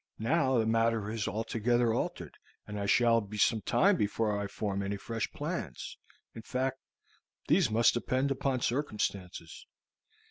Now the matter is altogether altered, and I shall be some time before I form any fresh plans. In fact, these must depend upon circumstances."